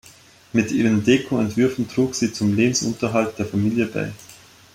Mit ihren Deko-Entwürfen trug sie zum Lebensunterhalt der Familie bei.